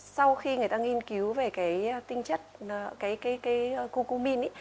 sau khi người ta nghiên cứu về cái tinh chất cucumin